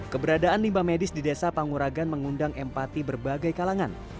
keberadaan limbah medis di desa panguragan mengundang empati berbagai kalangan